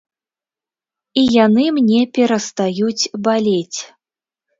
І яны мне перастаюць балець.